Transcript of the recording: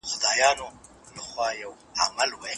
د هندوستان خلکو زېاتې ستونزې لیدلې.